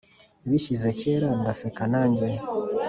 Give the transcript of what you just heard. bishyize kera ndaseka nanjye